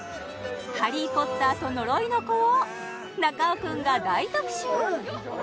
「ハリー・ポッターと呪いの子」を中尾くんが大特集！